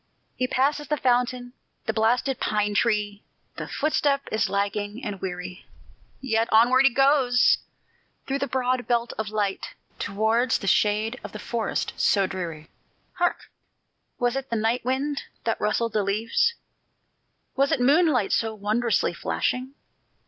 He passes the fountain, the blasted pine tree; The footstep is lagging and weary; Yet onward he goes, through the broad belt of light, Towards the shade of the forest so dreary. Hark! was it the night wind that rustled the leaves? Was it moonlight so wondrously flashing?